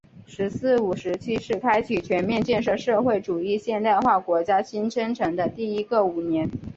“十四五”时期是开启全面建设社会主义现代化国家新征程的第一个五年。